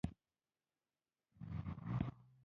دوکاندار هغه ته خواړه ور وړل.